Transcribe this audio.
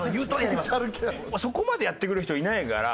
そこまでやってくれる人いないから。